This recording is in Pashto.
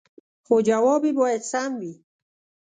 خو جواب يې باید سم وي